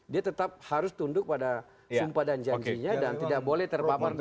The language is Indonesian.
dia tetap harus tunduk pada sumpah dan janjinya dan tidak boleh terpapar